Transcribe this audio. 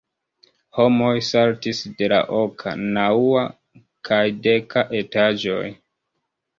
Homoj saltis de la oka, naŭa, kaj deka etaĝoj.